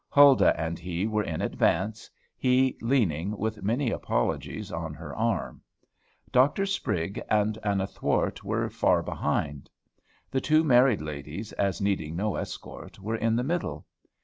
Huldah and he were in advance, he leaning, with many apologies, on her arm. Dr. Sprigg and Anna Thwart were far behind. The two married ladies, as needing no escort, were in the middle.